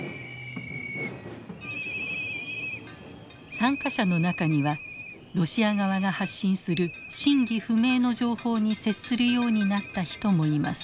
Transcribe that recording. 参加者の中にはロシア側が発信する真偽不明の情報に接するようになった人もいます。